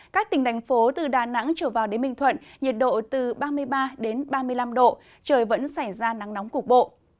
các tỉnh đành phố từ đà nẵng trở vào đến bình thuận nhiệt độ từ ba mươi ba ba mươi năm độ trời vẫn xảy ra nắng nóng cục bộ